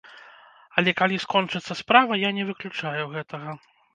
Але калі скончыцца справа, я не выключаю гэтага.